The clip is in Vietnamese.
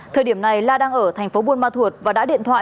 thời điểm này la đang ở thành phố buôn ma thuột và đã điện thoại